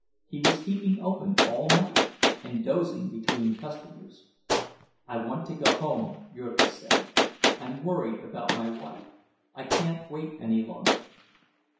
He was keeping open all night, and dozing between customers. "I want to go home," Jurgis said. "I'm worried about my wife—I can't wait any longer."